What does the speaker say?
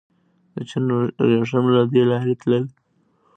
د چین وریښم له دې لارې تلل